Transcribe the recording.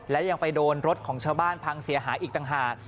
และยังไปโดนรถของชาวบ้านพังเสียหายอีกต่างหาก